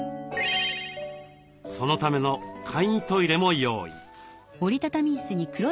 そのための簡易トイレも用意。